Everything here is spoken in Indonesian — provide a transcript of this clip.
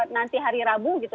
nanti hari rabu